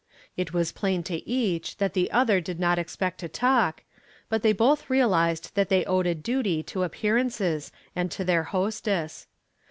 It was plain to each that the other did not expect to talk, but they both realized that they owed a duty to appearances and to their hostess.